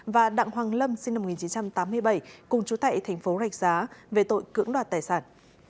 sinh năm một nghìn chín trăm tám mươi bảy cùng chú tại thành phố rạch giá về tội cưỡng đoạt tài sản